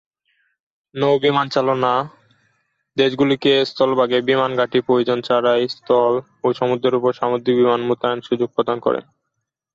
নৌ বিমান চালনা দেশগুলিকে স্থলভাগে বিমান ঘাঁটির প্রয়োজন ছাড়াই স্থল ও সমুদ্রের উপরে সামরিক বিমান মোতায়েনের সুযোগ প্রদান করে।